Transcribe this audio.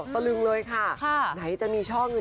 ตะลึงเลยค่ะไหนจะมีช่องอื่น